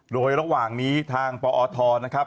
โดยระหว่างนี้ทางปอทนะครับ